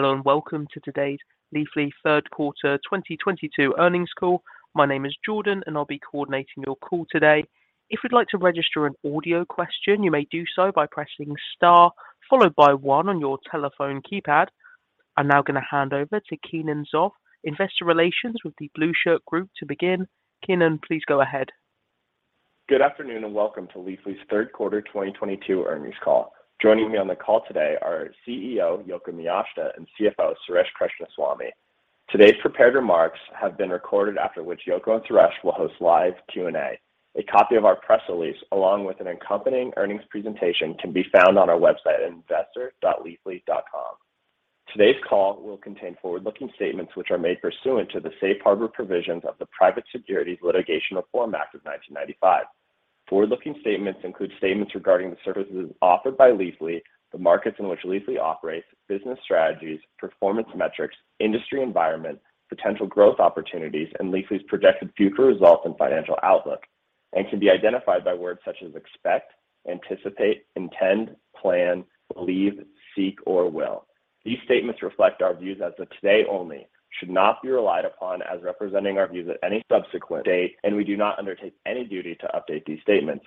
Hello, and welcome to today's Leafly Q3 2022 Earnings Call. My name is Jordan, and I'll be coordinating your call today. If you'd like to register an audio question, you may do so by pressing star followed by one on your telephone keypad. I'm now gonna hand over to Keenan Zopf, Investor Relations with The Blueshirt Group to begin. Keenan, please go ahead. Good afternoon, and welcome to Leafly's Q3 2022 Earnings Call. Joining me on the call today are CEO Yoko Miyashita and CFO Suresh Krishnaswamy. Today's prepared remarks have been recorded after which Yoko and Suresh will host live Q&A. A copy of our press release, along with an accompanying earnings presentation can be found on our website at investor.leafly.com. Today's call will contain forward-looking statements which are made pursuant to the Safe Harbor provisions of the Private Securities Litigation Reform Act of 1995. Forward-looking statements include statements regarding the services offered by Leafly, the markets in which Leafly operates, business strategies, performance metrics, industry environment, potential growth opportunities, and Leafly's projected future results and financial outlook, and can be identified by words such as expect, anticipate, intend, plan, believe, seek, or will. These statements reflect our views as of today only, should not be relied upon as representing our views at any subsequent date, and we do not undertake any duty to update these statements.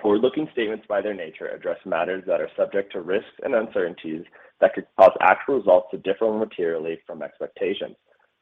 Forward-looking statements, by their nature, address matters that are subject to risks and uncertainties that could cause actual results to differ materially from expectations.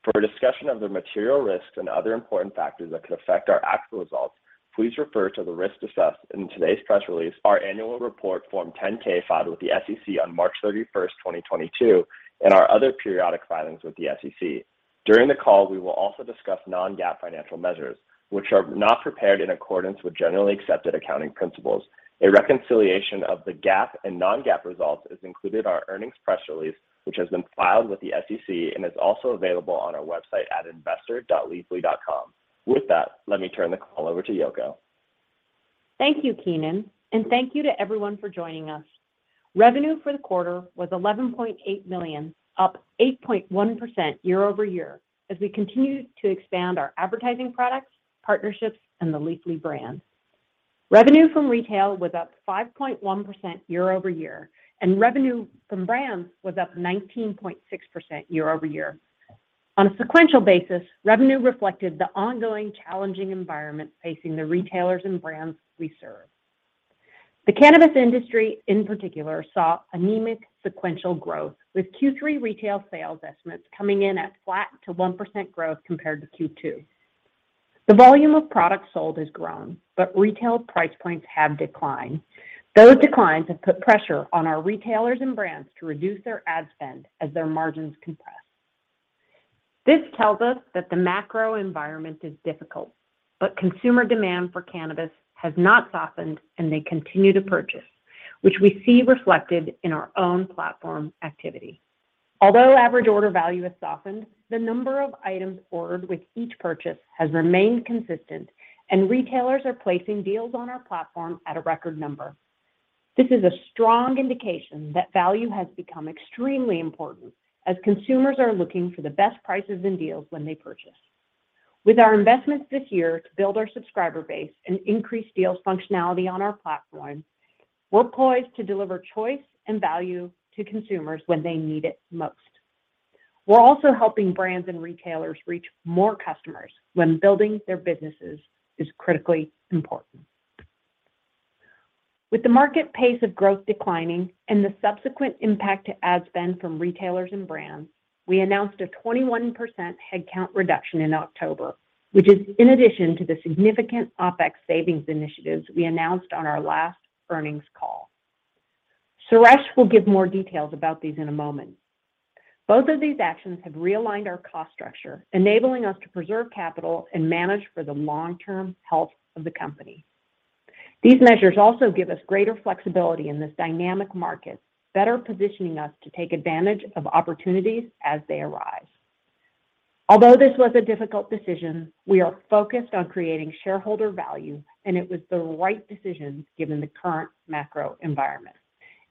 For a discussion of the material risks and other important factors that could affect our actual results, please refer to the risks assessed in today's press release, our annual report form 10-K filed with the SEC on March 31st, 2022, and our other periodic filings with the SEC. During the call, we will also discuss non-GAAP financial measures, which are not prepared in accordance with generally accepted accounting principles. A reconciliation of the GAAP and non-GAAP results is included in our earnings press release, which has been filed with the SEC and is also available on our website at investor.leafly.com. With that, let me turn the call over to Yoko. Thank you, Keenan, and thank you to everyone for joining us. Revenue for the quarter was $11.8 million, up 8.1% year-over-year as we continue to expand our advertising products, partnerships, and the Leafly brand. Revenue from retail was up 5.1% year-over-year, and revenue from brands was up 19.6% year-over-year. On a sequential basis, revenue reflected the ongoing challenging environment facing the retailers and brands we serve. The cannabis industry, in particular, saw anemic sequential growth, with Q3 retail sales estimates coming in at flat to 1% growth compared to Q2. The volume of products sold has grown, but retail price points have declined. Those declines have put pressure on our retailers and brands to reduce their ad spend as their margins compress. This tells us that the macro environment is difficult, but consumer demand for cannabis has not softened and they continue to purchase, which we see reflected in our own platform activity. Although average order value has softened, the number of items ordered with each purchase has remained consistent, and retailers are placing deals on our platform at a record number. This is a strong indication that value has become extremely important as consumers are looking for the best prices and deals when they purchase. With our investments this year to build our subscriber base and increase deals functionality on our platform, we're poised to deliver choice and value to consumers when they need it most. We're also helping brands and retailers reach more customers when building their businesses is critically important. With the market pace of growth declining and the subsequent impact to ad spend from retailers and brands, we announced a 21% headcount reduction in October, which is in addition to the significant OpEx savings initiatives we announced on our last earnings call. Suresh will give more details about these in a moment. Both of these actions have realigned our cost structure, enabling us to preserve capital and manage for the long-term health of the company. These measures also give us greater flexibility in this dynamic market, better positioning us to take advantage of opportunities as they arise. Although this was a difficult decision, we are focused on creating shareholder value, and it was the right decision given the current macro environment.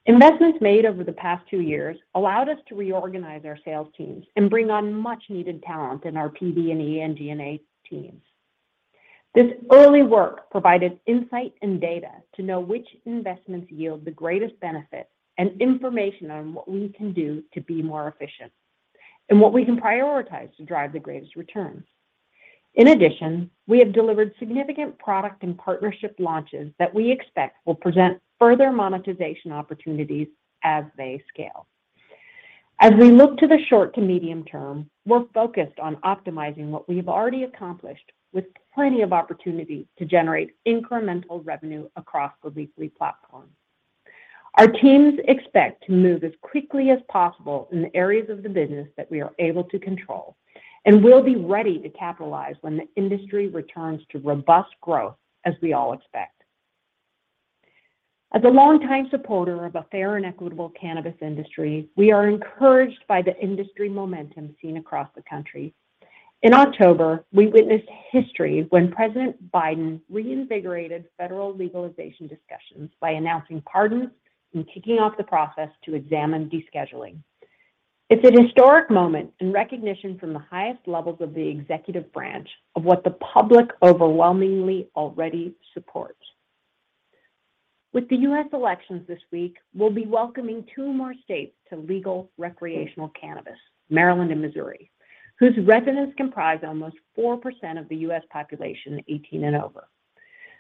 Investments made over the past two years allowed us to reorganize our sales teams and bring on much-needed talent in our PD&E and G&A teams. This early work provided insight and data to know which investments yield the greatest benefit and information on what we can do to be more efficient and what we can prioritize to drive the greatest returns. In addition, we have delivered significant product and partnership launches that we expect will present further monetization opportunities as they scale. As we look to the short to medium term, we're focused on optimizing what we've already accomplished with plenty of opportunities to generate incremental revenue across the Leafly platform. Our teams expect to move as quickly as possible in the areas of the business that we are able to control, and we'll be ready to capitalize when the industry returns to robust growth, as we all expect. As a longtime supporter of a fair and equitable cannabis industry, we are encouraged by the industry momentum seen across the country. In October, we witnessed history when President Biden reinvigorated federal legalization discussions by announcing pardons and kicking off the process to examine descheduling. It's a historic moment and recognition from the highest levels of the executive branch of what the public overwhelmingly already supports. With the U.S. elections this week, we'll be welcoming two more states to legal recreational cannabis, Maryland and Missouri, whose residents comprise almost 4% of the U.S. population 18 and over.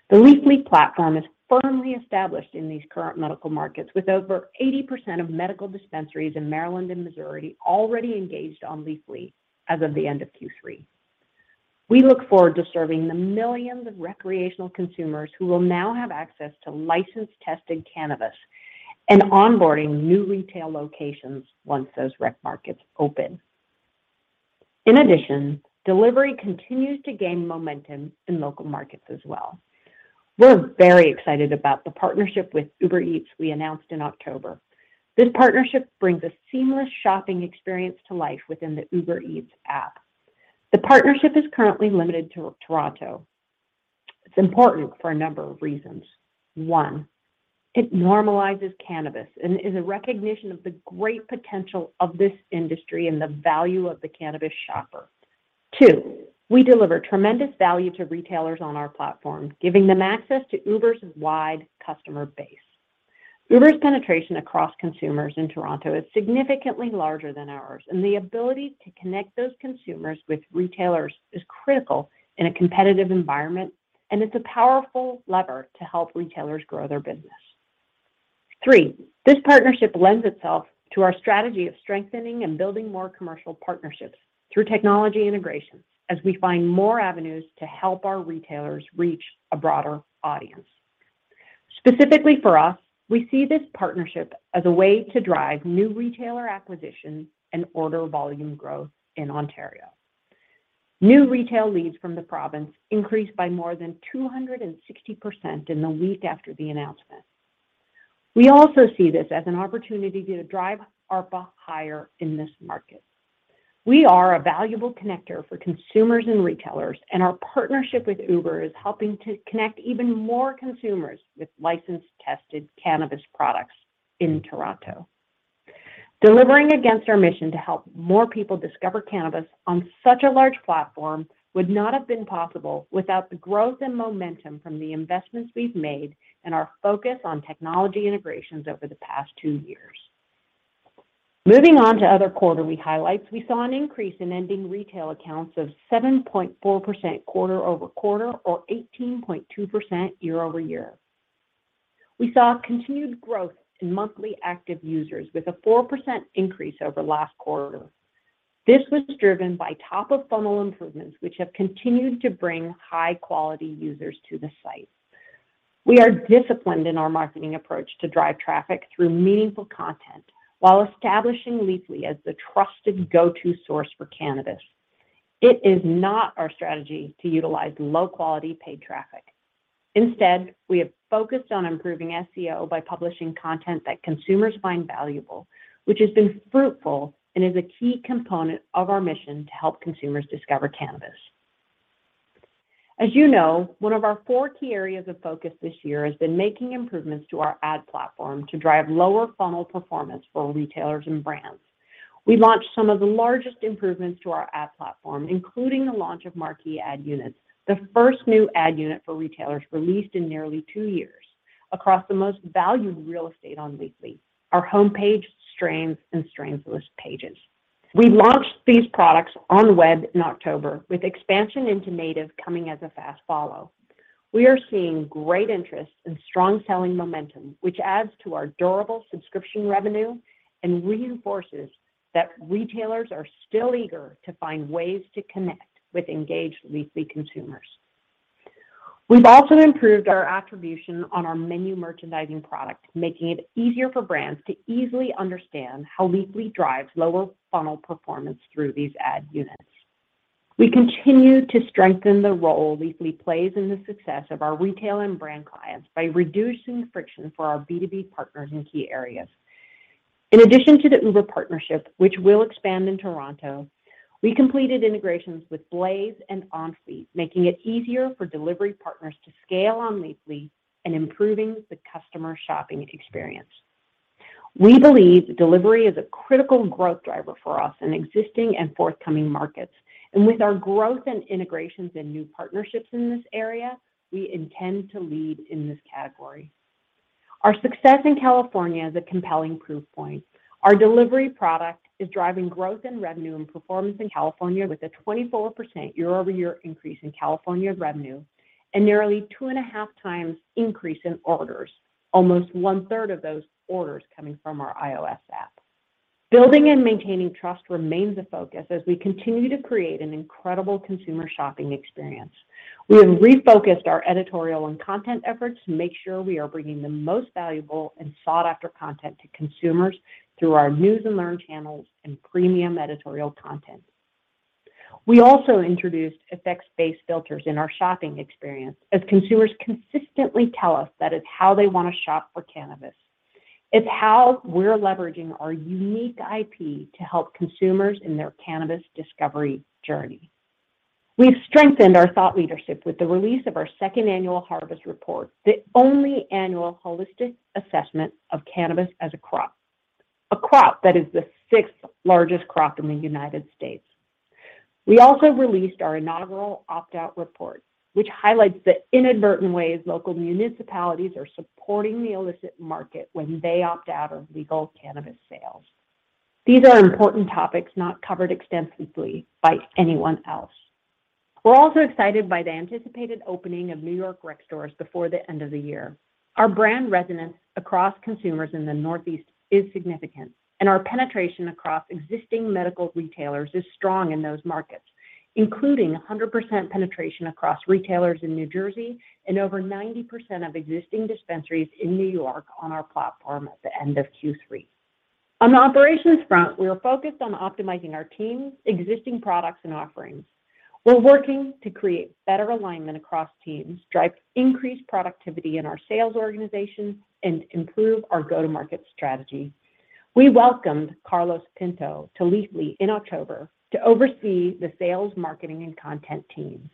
The Leafly platform is firmly established in these current medical markets, with over 80% of medical dispensaries in Maryland and Missouri already engaged on Leafly as of the end of Q3. We look forward to serving the millions of recreational consumers who will now have access to licensed tested cannabis and onboarding new retail locations once those rec markets open. In addition, delivery continues to gain momentum in local markets as well. We're very excited about the partnership with Uber Eats we announced in October. This partnership brings a seamless shopping experience to life within the Uber Eats app. The partnership is currently limited to Toronto. It's important for a number of reasons. One, it normalizes cannabis and is a recognition of the great potential of this industry and the value of the cannabis shopper. Two, we deliver tremendous value to retailers on our platform, giving them access to Uber's wide customer base. Uber's penetration across consumers in Toronto is significantly larger than ours, and the ability to connect those consumers with retailers is critical in a competitive environment, and it's a powerful lever to help retailers grow their business. Three, this partnership lends itself to our strategy of strengthening and building more commercial partnerships through technology integration as we find more avenues to help our retailers reach a broader audience. Specifically for us, we see this partnership as a way to drive new retailer acquisitions and order volume growth in Ontario. New retail leads from the province increased by more than 260% in the week after the announcement. We also see this as an opportunity to drive ARPA higher in this market. We are a valuable connector for consumers and retailers, and our partnership with Uber is helping to connect even more consumers with licensed, tested cannabis products in Toronto. Delivering against our mission to help more people discover cannabis on such a large platform would not have been possible without the growth and momentum from the investments we've made and our focus on technology integrations over the past two years. Moving on to other quarterly highlights, we saw an increase in ending retail accounts of 7.4% quarter-over-quarter, or 18.2% year-over-year. We saw continued growth in monthly active users with a 4% increase over last quarter. This was driven by top-of-funnel improvements, which have continued to bring high-quality users to the site. We are disciplined in our marketing approach to drive traffic through meaningful content while establishing Leafly as the trusted go-to source for cannabis. It is not our strategy to utilize low-quality paid traffic. Instead, we have focused on improving SEO by publishing content that consumers find valuable, which has been fruitful and is a key component of our mission to help consumers discover cannabis. As you know, one of our four key areas of focus this year has been making improvements to our ad platform to drive lower funnel performance for retailers and brands. We launched some of the largest improvements to our ad platform, including the launch of Marquee ad units, the first new ad unit for retailers released in nearly two years, across the most valued real estate on Leafly, our homepage strains and strains list pages. We launched these products on web in October, with expansion into native coming as a fast follow. We are seeing great interest and strong selling momentum, which adds to our durable subscription revenue and reinforces that retailers are still eager to find ways to connect with engaged Leafly consumers. We've also improved our attribution on our menu merchandising product, making it easier for brands to easily understand how Leafly drives lower funnel performance through these ad units. We continue to strengthen the role Leafly plays in the success of our retail and brand clients by reducing friction for our B2B partners in key areas. In addition to the Uber partnership, which will expand in Toronto, we completed integrations with Blaze and Onfleet, making it easier for delivery partners to scale on Leafly and improving the customer shopping experience. We believe delivery is a critical growth driver for us in existing and forthcoming markets, and with our growth and integrations and new partnerships in this area, we intend to lead in this category. Our success in California is a compelling proof point. Our delivery product is driving growth in revenue and performance in California with a 24% year-over-year increase in California revenue and nearly 2.5 times increase in orders, almost 1/3 of those orders coming from our iOS app. Building and maintaining trust remains a focus as we continue to create an incredible consumer shopping experience. We have refocused our editorial and content efforts to make sure we are bringing the most valuable and sought-after content to consumers through our news and learn channels and premium editorial content. We also introduced effects-based filters in our shopping experience as consumers consistently tell us that is how they want to shop for cannabis. It's how we're leveraging our unique IP to help consumers in their cannabis discovery journey. We've strengthened our thought leadership with the release of our second annual Harvest Report, the only annual holistic assessment of cannabis as a crop, a crop that is the sixth largest crop in the United States. We also released our inaugural Opt-Out Report, which highlights the inadvertent ways local municipalities are supporting the illicit market when they opt out of legal cannabis sales. These are important topics not covered extensively by anyone else. We're also excited by the anticipated opening of New York rec stores before the end of the year. Our brand resonance across consumers in the Northeast is significant, and our penetration across existing medical retailers is strong in those markets, including 100% penetration across retailers in New Jersey and over 90% of existing dispensaries in New York on our platform at the end of Q3. On the operations front, we are focused on optimizing our teams, existing products, and offerings. We're working to create better alignment across teams, drive increased productivity in our sales organizations, and improve our go-to-market strategy. We welcomed Carlos Pinto to Leafly in October to oversee the sales, marketing, and content teams.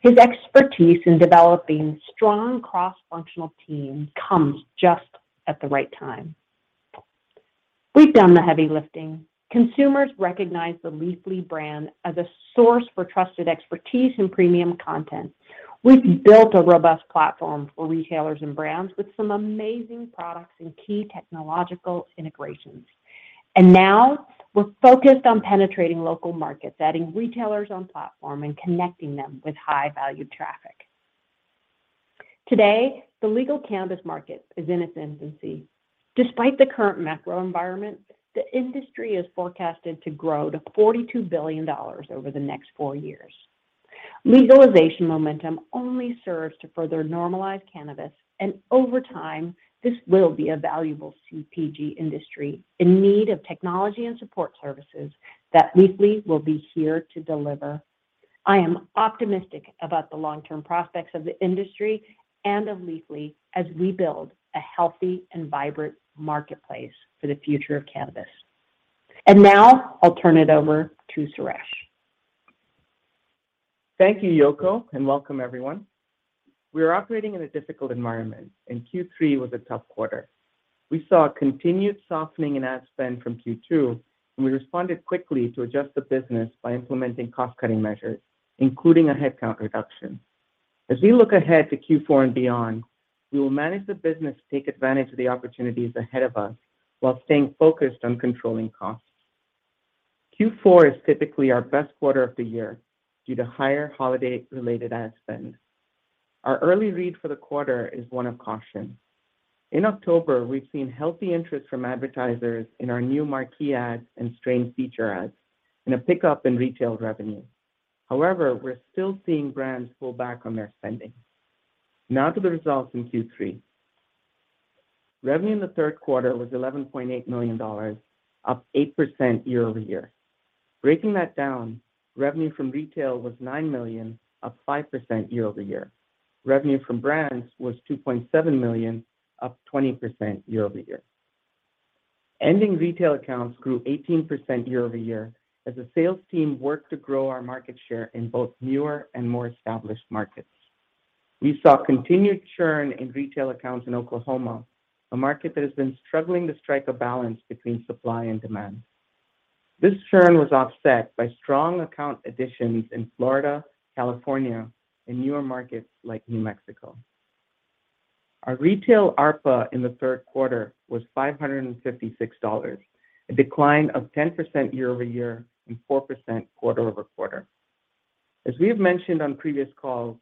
His expertise in developing strong cross-functional teams comes just at the right time. We've done the heavy lifting. Consumers recognize the Leafly brand as a source for trusted expertise and premium content. We've built a robust platform for retailers and brands with some amazing products and key technological integrations, and now we're focused on penetrating local markets, adding retailers on platform, and connecting them with high-value traffic. Today, the legal cannabis market is in its infancy. Despite the current macro environment, the industry is forecasted to grow to $42 billion over the next four years. Legalization momentum only serves to further normalize cannabis, and over time, this will be a valuable CPG industry in need of technology and support services that Leafly will be here to deliver. I am optimistic about the long-term prospects of the industry and of Leafly as we build a healthy and vibrant marketplace for the future of cannabis. Now I'll turn it over to Suresh. Thank you, Yoko, and welcome everyone. We are operating in a difficult environment, and Q3 was a tough quarter. We saw a continued softening in ad spend from Q2, and we responded quickly to adjust the business by implementing cost-cutting measures, including a headcount reduction. As we look ahead to Q4 and beyond, we will manage the business to take advantage of the opportunities ahead of us while staying focused on controlling costs. Q4 is typically our best quarter of the year due to higher holiday-related ad spend. Our early read for the quarter is one of caution. In October, we've seen healthy interest from advertisers in our new Marquee ads and strain feature ads and a pickup in retail revenue. However, we're still seeing brands pull back on their spending. Now to the results in Q3. Revenue in the Q3 was $11.8 million, up 8% year-over-year. Breaking that down, revenue from retail was $9 million, up 5% year-over-year. Revenue from brands was $2.7 million, up 20% year-over-year. Ending retail accounts grew 18% year-over-year as the sales team worked to grow our market share in both newer and more established markets. We saw continued churn in retail accounts in Oklahoma, a market that has been struggling to strike a balance between supply and demand. This churn was offset by strong account additions in Florida, California, and newer markets like New Mexico. Our retail ARPA in the Q3 was $556, a decline of 10% year-over-year and 4% quarter-over-quarter. As we have mentioned on previous calls,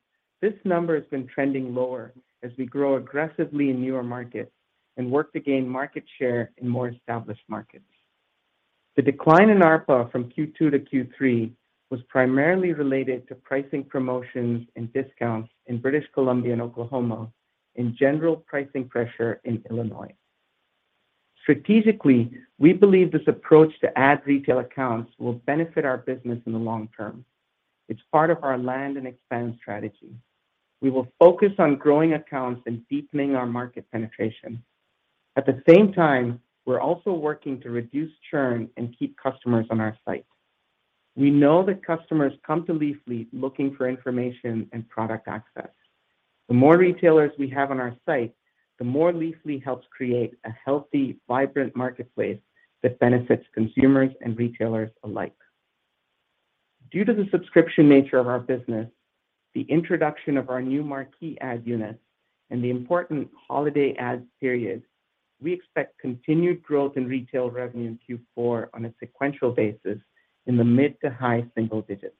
this number has been trending lower as we grow aggressively in newer markets and work to gain market share in more established markets. The decline in ARPA from Q2 to Q3 was primarily related to pricing promotions and discounts in British Columbia and Oklahoma and general pricing pressure in Illinois. Strategically, we believe this approach to add retail accounts will benefit our business in the long term. It's part of our land and expand strategy. We will focus on growing accounts and deepening our market penetration. At the same time, we're also working to reduce churn and keep customers on our site. We know that customers come to Leafly looking for information and product access. The more retailers we have on our site, the more Leafly helps create a healthy, vibrant marketplace that benefits consumers and retailers alike. Due to the subscription nature of our business, the introduction of our new Marquee ad units, and the important holiday ad period, we expect continued growth in retail revenue in Q4 on a sequential basis in the mid- to high-single digits.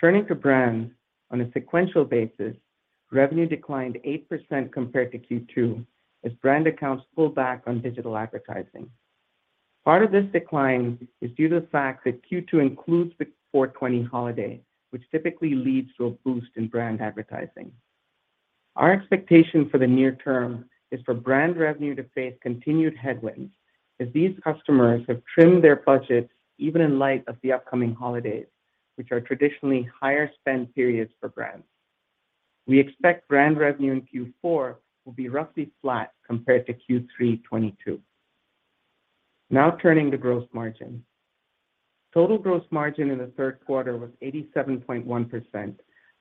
Turning to brands, on a sequential basis, revenue declined 8% compared to Q2 as brand accounts pulled back on digital advertising. Part of this decline is due to the fact that Q2 includes the Four Twenty holiday, which typically leads to a boost in brand advertising. Our expectation for the near term is for brand revenue to face continued headwinds as these customers have trimmed their budgets even in light of the upcoming holidays, which are traditionally higher spend periods for brands. We expect brand revenue in Q4 will be roughly flat compared to Q3 2022. Now turning to gross margin. Total gross margin in the Q3 was 87.1%, a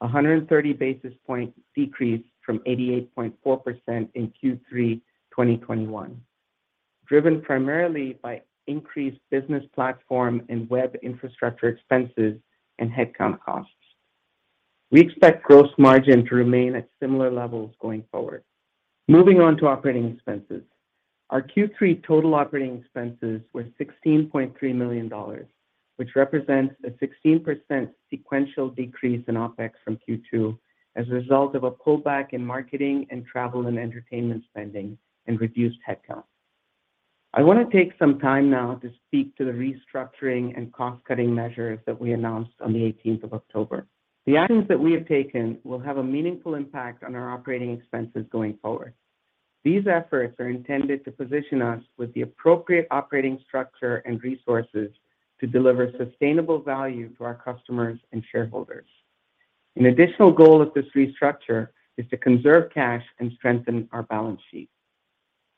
130 basis point decrease from 88.4% in Q3 2021. Driven primarily by increased business platform and web infrastructure expenses and headcount costs. We expect gross margin to remain at similar levels going forward. Moving on to operating expenses. Our Q3 total operating expenses were $16.3 million, which represents a 16% sequential decrease in OpEx from Q2 as a result of a pullback in marketing and travel and entertainment spending and reduced headcount. I want to take some time now to speak to the restructuring and cost-cutting measures that we announced on the 18th of October. The actions that we have taken will have a meaningful impact on our operating expenses going forward. These efforts are intended to position us with the appropriate operating structure and resources to deliver sustainable value to our customers and shareholders. An additional goal of this restructure is to conserve cash and strengthen our balance sheet.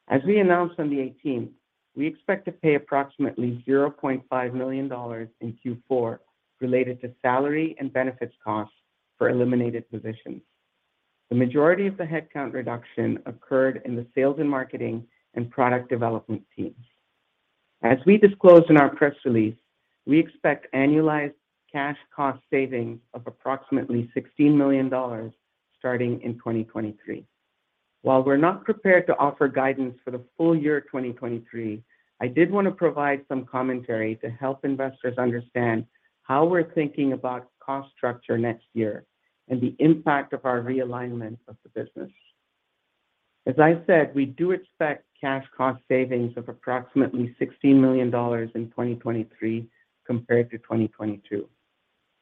As we announced on the 18th, we expect to pay approximately $0.5 million in Q4 related to salary and benefits costs for eliminated positions. The majority of the headcount reduction occurred in the sales and marketing and product development teams. As we disclosed in our press release, we expect annualized cash cost savings of approximately $16 million starting in 2023. While we're not prepared to offer guidance for the full year 2023, I did want to provide some commentary to help investors understand how we're thinking about cost structure next year and the impact of our realignment of the business. As I said, we do expect cash cost savings of approximately $16 million in 2023 compared to 2022.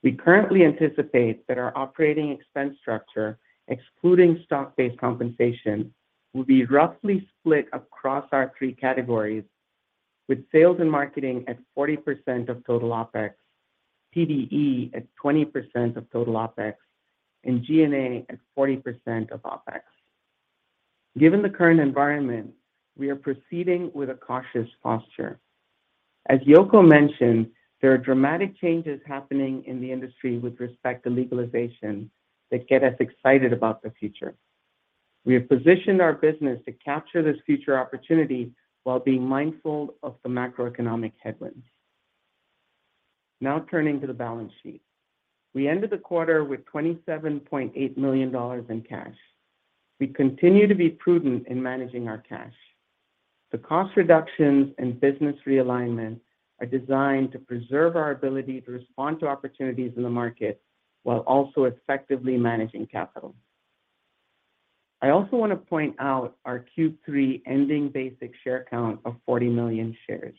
We currently anticipate that our operating expense structure, excluding stock-based compensation, will be roughly split across our three categories, with sales and marketing at 40% of total OpEx, PD&E at 20% of total OpEx, and G&A at 40% of OpEx. Given the current environment, we are proceeding with a cautious posture. As Yoko mentioned, there are dramatic changes happening in the industry with respect to legalization that get us excited about the future. We have positioned our business to capture this future opportunity while being mindful of the macroeconomic headwinds. Now turning to the balance sheet. We ended the quarter with $27.8 million in cash. We continue to be prudent in managing our cash. The cost reductions and business realignment are designed to preserve our ability to respond to opportunities in the market while also effectively managing capital. I also want to point out our Q3 ending basic share count of 40 million shares.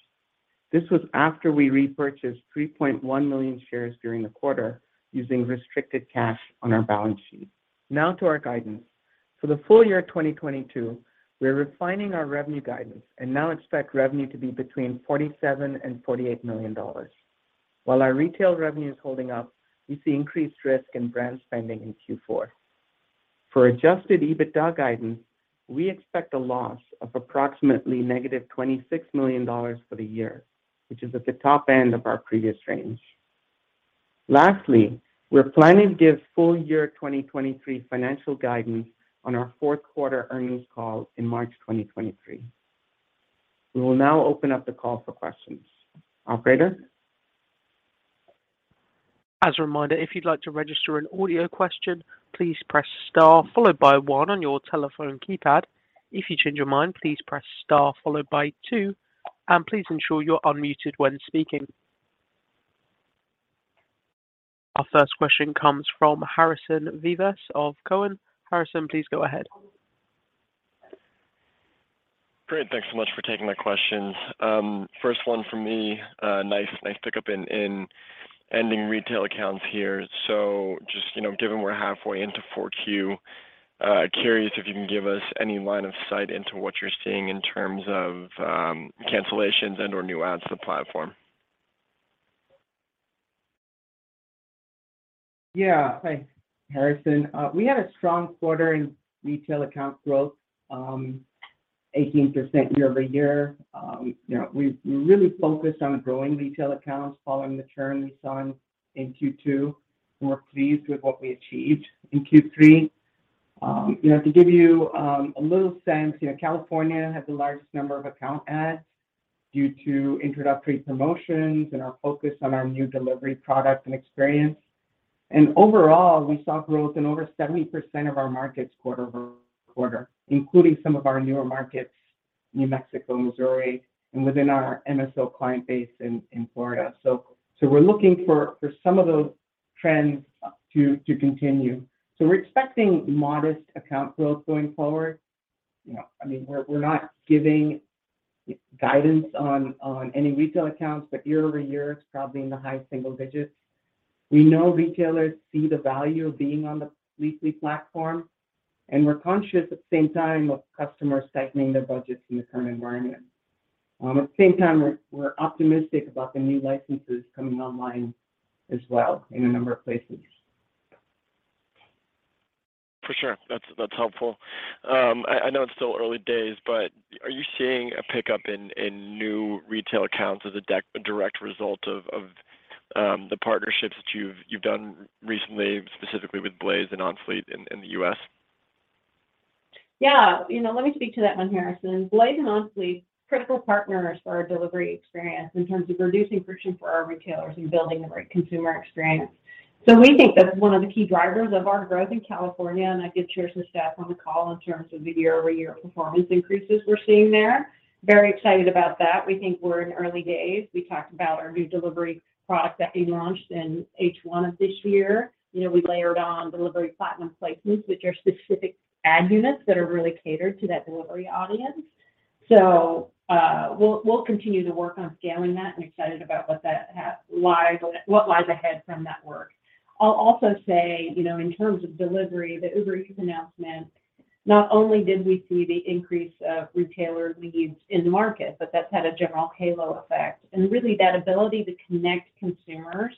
This was after we repurchased 3.1 million shares during the quarter using restricted cash on our balance sheet. Now to our guidance. For the full year 2022, we're refining our revenue guidance and now expect revenue to be between $47 million and $48 million. While our retail revenue is holding up, we see increased risk in brand spending in Q4. For adjusted EBITDA guidance, we expect a loss of approximately -$26 million for the year, which is at the top end of our previous range. Lastly, we're planning to give full year 2023 financial guidance on our Q4 earnings call in March 2023. We will now open up the call for questions. Operator? As a reminder, if you'd like to register an audio question, please press star followed by one on your telephone keypad. If you change your mind, please press star followed by two, and please ensure you're unmuted when speaking. Our first question comes from Harrison Vivas of Cowen. Harrison, please go ahead. Great. Thanks so much for taking my questions. First one from me. Nice pickup in ending retail accounts here. Just, you know, given we're halfway into Q4, curious if you can give us any line of sight into what you're seeing in terms of cancellations and/or new adds to the platform? Yeah. Thanks, Harrison. We had a strong quarter in retail account growth, 18% year-over-year. You know, we really focused on growing retail accounts following the trend we saw in Q2, and we're pleased with what we achieved in Q3. You know, to give you a little sense, you know, California had the largest number of account adds due to introductory promotions and our focus on our new delivery product and experience. Overall, we saw growth in over 70% of our markets quarter-over-quarter, including some of our newer markets, New Mexico, Missouri, and within our MSO client base in Florida. We're looking for some of those trends to continue. We're expecting modest account growth going forward. You know, I mean, we're not giving guidance on any retail accounts, but year-over-year, it's probably in the high single digits. We know retailers see the value of being on the Leafly platform, and we're conscious at the same time of customers tightening their budgets in the current environment. At the same time, we're optimistic about the new licenses coming online as well in a number of places. For sure. That's helpful. I know it's still early days, but are you seeing a pickup in new retail accounts as a direct result of the partnerships that you've done recently, specifically with Blaze and Onfleet in the U.S.? Yeah. You know, let me speak to that one, Harrison. Blaze and Onfleet, critical partners for our delivery experience in terms of reducing friction for our retailers and building the right consumer experience. We think that's one of the key drivers of our growth in California, and I could share some stats on the call in terms of the year-over-year performance increases we're seeing there. Very excited about that. We think we're in early days. We talked about our new delivery product that we launched in H1 of this year. You know, we layered on delivery Platinum Placements, which are specific ad units that are really catered to that delivery audience. We'll continue to work on scaling that and excited about what lies ahead from that work. I'll also say, you know, in terms of delivery, the Uber Eats announcement, not only did we see the increase of retailer needs in the market, but that's had a general halo effect. Really, that ability to connect consumers,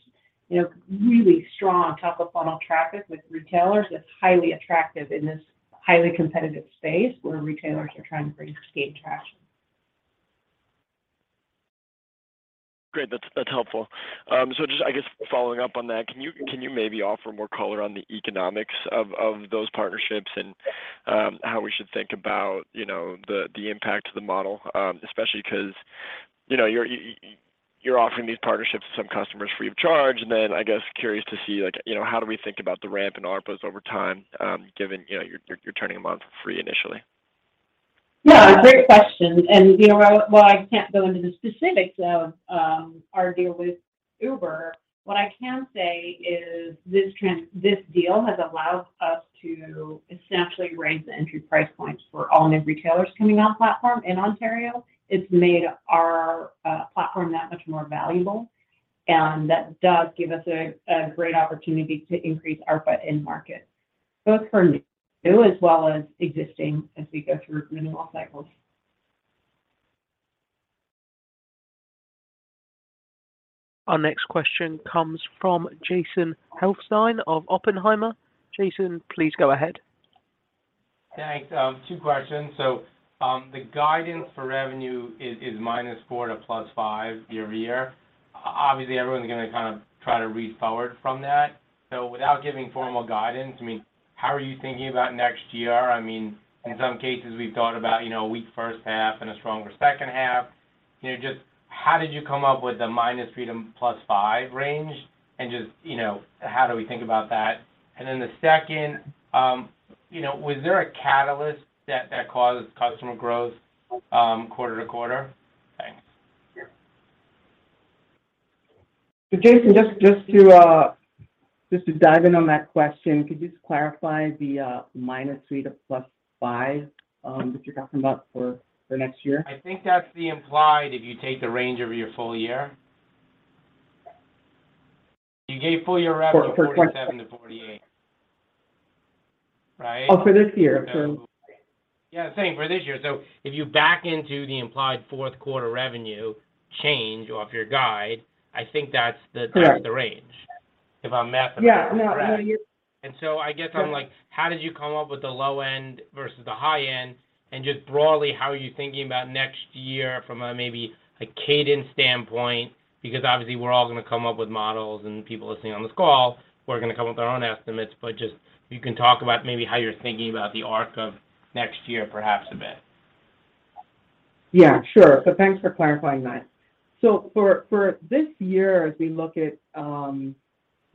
you know, really strong top-of-funnel traffic with retailers is highly attractive in this highly competitive space where retailers are trying to gain traction. Great. That's helpful. So just I guess following up on that, can you maybe offer more color on the economics of those partnerships and how we should think about, you know, the impact to the model? Especially 'cause, you know, you're offering these partnerships to some customers free of charge, and then I'm curious to see like, you know, how do we think about the ramp in ARPAs over time, given, you know, you're charging them or for free initially. Yeah. Great question. You know, while I can't go into the specifics of our deal with Uber, what I can say is this deal has allowed us to essentially raise the entry price points for all new retailers coming on platform in Ontario. It's made our platform that much more valuable, and that does give us a great opportunity to increase ARPA in market, both for new as well as existing as we go through renewal cycles. Our next question comes from Jason Helfstein of Oppenheimer. Jason, please go ahead. Thanks. Two questions. The guidance for revenue is -4% to +5% year-over-year. Obviously, everyone's gonna kind of try to read forward from that. Without giving formal guidance, I mean, how are you thinking about next year? I mean, in some cases, we've thought about, you know, a weak first half and a stronger second half. You know, just how did you come up with the -3% to +5% range? Just, you know, how do we think about that? The second, you know, was there a catalyst that caused customer growth quarter-to-quarter? Thanks. Jason, just to dive in on that question, could you just clarify the -3% to +5% that you're talking about for next year? I think that's the implied if you take the range over your full year. You gave full year revenue of $47-$48. Right? Oh, for this year. Yeah. Same for this year. If you back into the implied Q4 revenue change off your guide, I think that's the range. If I'm math-ing this correctly. Yeah. No. I guess I'm like, how did you come up with the low end versus the high end? Just broadly, how are you thinking about next year from a maybe a cadence standpoint? Because obviously, we're all gonna come up with models, and people listening on this call were gonna come up with their own estimates. Just if you can talk about maybe how you're thinking about the arc of next year perhaps a bit. Yeah. Sure. Thanks for clarifying that. For this year, as we look at, you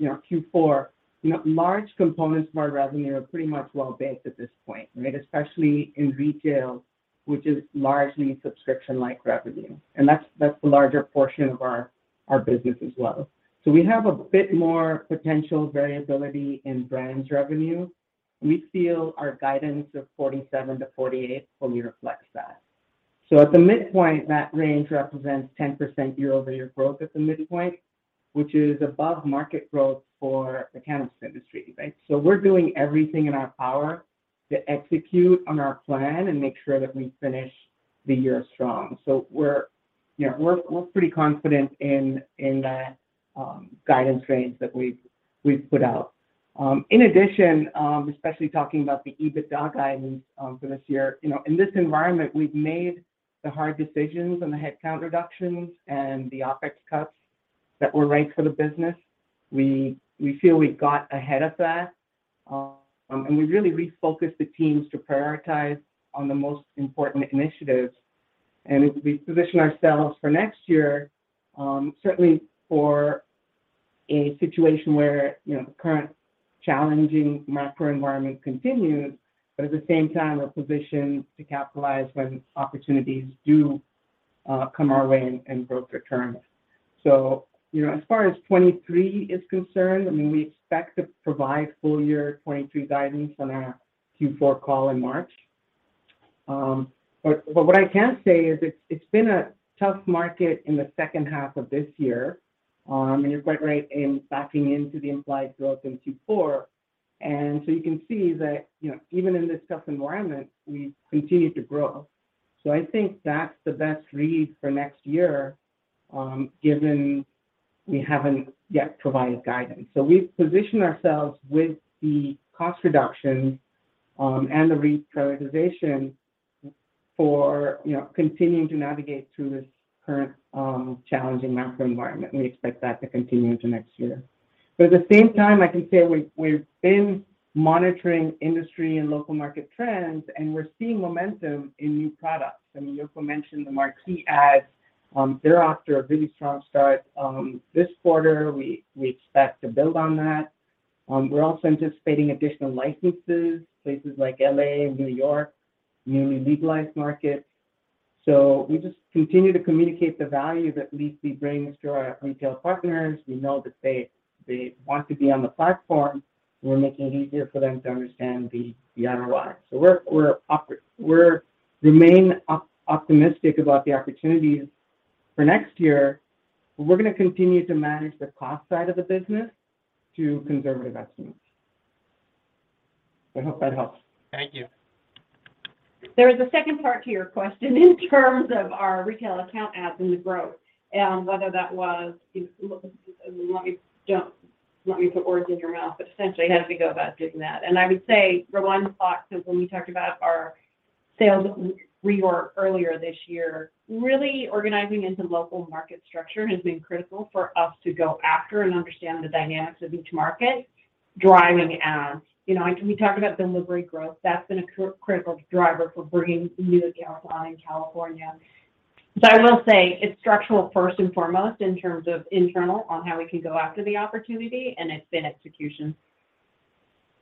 know, Q4, you know, large components of our revenue are pretty much well banked at this point, right? Especially in retail, which is largely subscription-like revenue. That's the larger portion of our business as well. We have a bit more potential variability in brands revenue. We feel our guidance of $47-$48 fully reflects that. At the midpoint, that range represents 10% year-over-year growth at the midpoint, which is above market growth for the cannabis industry, right? We're doing everything in our power to execute on our plan and make sure that we finish the year strong. We're, you know, pretty confident in that guidance range that we've put out. In addition, especially talking about the EBITDA guidance for this year, you know, in this environment, we've made the hard decisions and the headcount reductions and the OpEx cuts that were right for the business. We feel we've got ahead of that, and we've really refocused the teams to prioritize on the most important initiatives. As we position ourselves for next year, certainly for a situation where, you know, the current challenging macro environment continues, but at the same time we're positioned to capitalize when opportunities do come our way and growth returns. You know, as far as 2023 is concerned, I mean, we expect to provide full year 2023 guidance on our Q4 call in March. But what I can say is it's been a tough market in the second half of this year. You're quite right in backing into the implied growth in Q4. You can see that, you know, even in this tough environment, we continue to grow. I think that's the best read for next year, given we haven't yet provided guidance. We've positioned ourselves with the cost reductions and the reprioritization for, you know, continuing to navigate through this current challenging macro environment. We expect that to continue into next year. At the same time, I can say we've been monitoring industry and local market trends, and we're seeing momentum in new products. I mean, Yoko mentioned the Marquee ads, they're off to a really strong start. This quarter, we expect to build on that. We're also anticipating additional licenses, places like L.A. and New York, newly legalized markets. We just continue to communicate the value that Leafly brings to our retail partners. We know that they want to be on the platform. We're making it easier for them to understand the ROI. We remain optimistic about the opportunities for next year. We're gonna continue to manage the cost side of the business to conservative estimates. I hope that helps. Thank you. There is a second part to your question in terms of our retail account ads and the growth, and whether that was, you know, I mean, let me, I don't want to put words in your mouth, but essentially how do we go about doing that? I would say, [for one] thought, 'cause when we talked about our sales reorg earlier this year, really organizing into local market structure has been critical for us to go after and understand the dynamics of each market driving ads. You know, and we talk about delivery growth, that's been a critical driver for bringing new accounts on in California. I will say it's structural first and foremost in terms of internal on how we can go after the opportunity, and it's been execution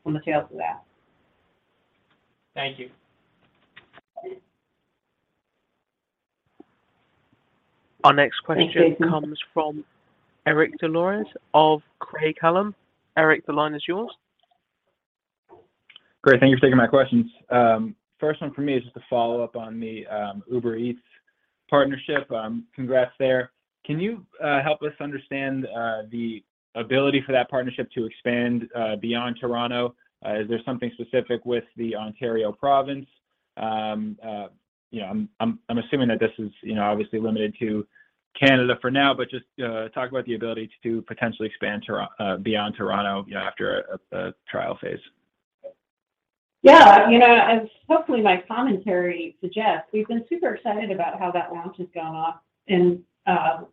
on the tails of that. Thank you. Our next question comes from Eric Des Lauriers of Craig-Hallum. Eric, the line is yours. Great. Thank you for taking my questions. First one for me is just a follow-up on the Uber Eats partnership. Congrats there. Can you help us understand the ability for that partnership to expand beyond Toronto? Is there something specific with the Ontario province? You know, I'm assuming that this is, you know, obviously limited to Canada for now, but just talk about the ability to potentially expand beyond Toronto, you know, after a trial phase. Yeah. You know, as hopefully my commentary suggests, we've been super excited about how that launch has gone off and,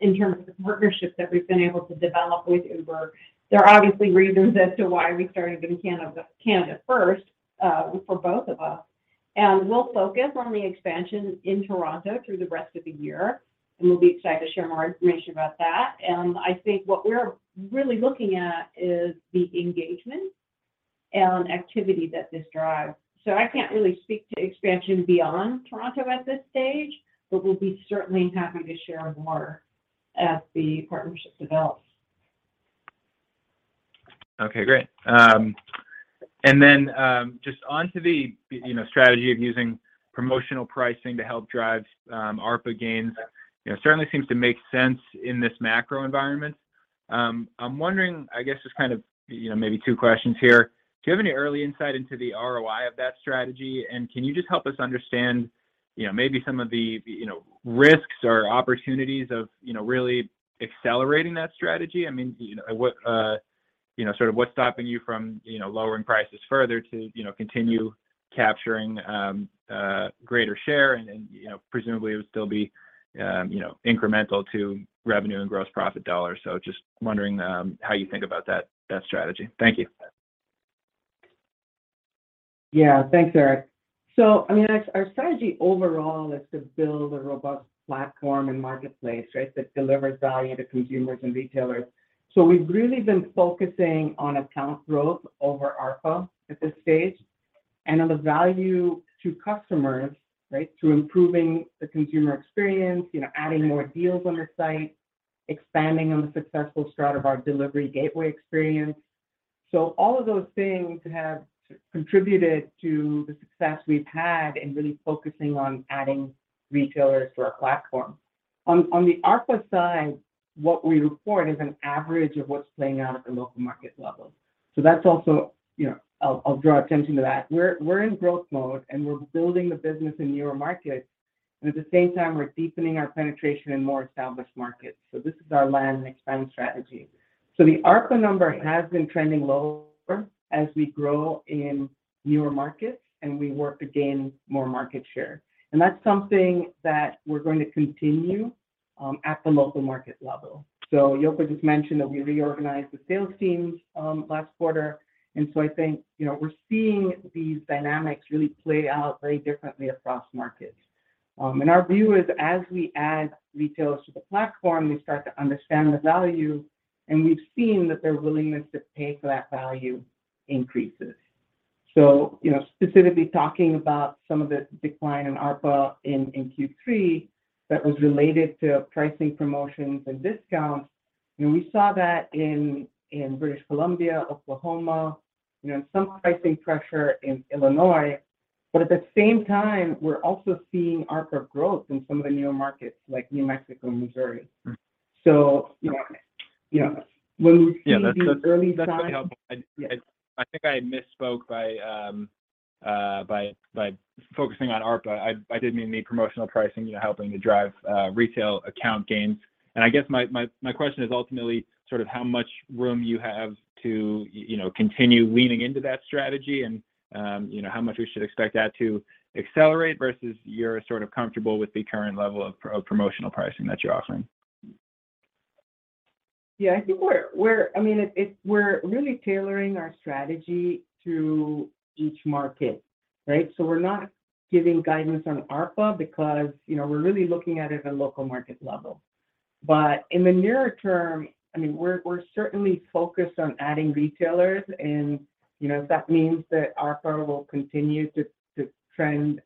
in terms of the partnerships that we've been able to develop with Uber. There are obviously reasons as to why we started in Canada first, for both of us. We'll focus on the expansion in Toronto through the rest of the year, and we'll be excited to share more information about that. I think what we're really looking at is the engagement and activity that this drives. I can't really speak to expansion beyond Toronto at this stage, but we'll be certainly happy to share more as the partnership develops. Okay. Great. Just onto the, you know, strategy of using promotional pricing to help drive ARPA gains. You know, certainly seems to make sense in this macro environment. I'm wondering, I guess just kind of, you know, maybe two questions here. Do you have any early insight into the ROI of that strategy? Can you just help us understand, you know, maybe some of the, you know, risks or opportunities of, you know, really accelerating that strategy? I mean, you know, what, you know, sort of what's stopping you from, you know, lowering prices further to, you know, continue capturing greater share and, you know, presumably it would still be, you know, incremental to revenue and gross profit dollars. Just wondering how you think about that strategy. Thank you. Yeah. Thanks, Eric. I mean, our strategy overall is to build a robust platform and marketplace, right, that delivers value to consumers and retailers. We've really been focusing on account growth over ARPA at this stage and on the value to customers, right? Through improving the consumer experience, you know, adding more deals on our site, expanding on the successful start of our delivery gateway experience. All of those things have contributed to the success we've had in really focusing on adding retailers to our platform. On the ARPA side, what we report is an average of what's playing out at the local market level. That's also, you know, I'll draw attention to that. We're in growth mode, and we're building the business in newer markets, and at the same time, we're deepening our penetration in more established markets. This is our land and expand strategy. The ARPA number has been trending lower as we grow in newer markets, and we work to gain more market share. That's something that we're going to continue at the local market level. Yoko just mentioned that we reorganized the sales teams last quarter, and so I think, you know, we're seeing these dynamics really play out very differently across markets. Our view is as we add retailers to the platform, they start to understand the value, and we've seen that their willingness to pay for that value increases. You know, specifically talking about some of the decline in ARPA in Q3 that was related to pricing promotions and discounts, you know, we saw that in British Columbia, Oklahoma, some pricing pressure in Illinois. At the same time, we're also seeing ARPA growth in some of the newer markets like New Mexico and Missouri. you know, when we see these early signs. Yeah. That's really helpful. I think I misspoke by focusing on ARPA. I did mean the promotional pricing, you know, helping to drive retail account gains. I guess my question is ultimately sort of how much room you have to, you know, continue leaning into that strategy and, you know, how much we should expect that to accelerate versus you're sort of comfortable with the current level of promotional pricing that you're offering. Yeah. I think I mean we're really tailoring our strategy to each market, right? We're not giving guidance on ARPA because, you know, we're really looking at it at a local market level. In the nearer term, I mean, we're certainly focused on adding retailers and, you know, if that means that ARPA will continue to trend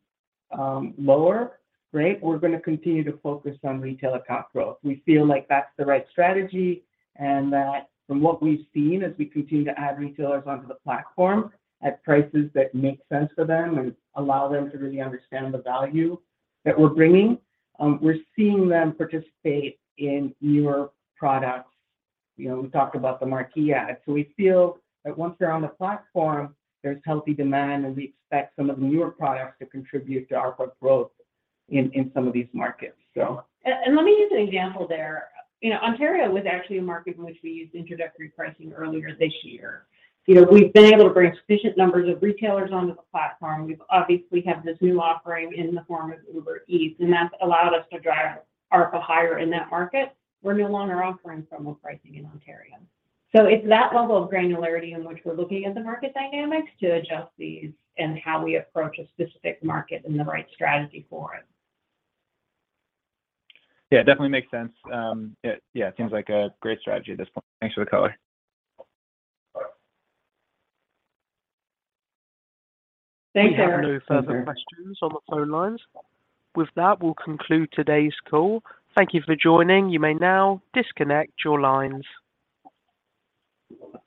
lower, right? We're gonna continue to focus on retail account growth. We feel like that's the right strategy and that from what we've seen as we continue to add retailers onto the platform at prices that make sense for them and allow them to really understand the value that we're bringing, we're seeing them participate in newer products. You know, we talked about the Marquee ads. We feel that once they're on the platform, there's healthy demand, and we expect some of the newer products to contribute to ARPA growth in some of these markets. Let me give an example there. You know, Ontario was actually a market in which we used introductory pricing earlier this year. You know, we've been able to bring sufficient numbers of retailers onto the platform. We obviously have this new offering in the form of Uber Eats, and that's allowed us to drive ARPA higher in that market. We're no longer offering promo pricing in Ontario. It's that level of granularity in which we're looking at the market dynamics to adjust these and how we approach a specific market and the right strategy for it. Yeah, definitely makes sense. Yeah, it seems like a great strategy at this point. Thanks for the color. Thanks, Eric. We have no further questions on the phone lines. With that, we'll conclude today's call. Thank you for joining. You may now disconnect your lines.